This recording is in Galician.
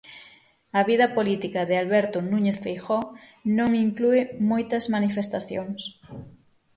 A vida política de Alberto Núñez Feijóo non inclúe moitas manifestacións.